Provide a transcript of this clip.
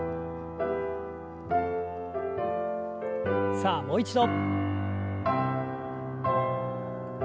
さあもう一度。